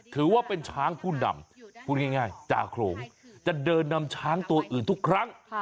ถือว่าเป็นช้างผู้นำพูดง่ายจ่าโขลงจะเดินนำช้างตัวอื่นทุกครั้ง